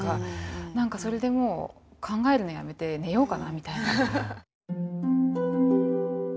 何かそれでもう考えるのやめて寝ようかなみたいな。